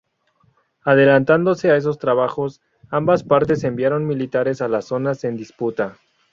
Adelantándose a esos trabajos, ambas partes enviaron militares a las zonas en disputa.